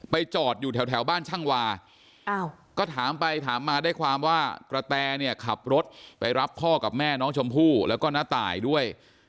จอดอยู่แถวบ้านช่างวาก็ถามไปถามมาได้ความว่ากระแตเนี่ยขับรถไปรับพ่อกับแม่น้องชมพู่แล้วก็น้าตายด้วย